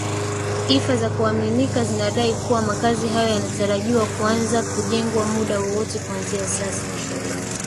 ifa za kuaminika zinadai kuwa makazi hayo yanatarajiwa kuanza kujengwa muda wowote kuanzia sasa